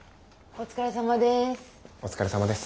お疲れさまです。